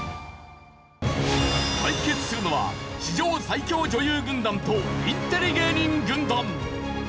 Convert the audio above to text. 対決するのは史上最強女優軍団とインテリ芸人軍団。